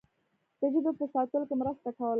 د ژبې په ساتلو کې مرسته کوله.